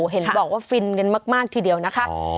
เห็นบอกว่าฟินกันมากทีเดียวนะคะ